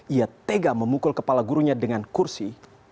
ia tega memukul kepala gurunya dengan kursi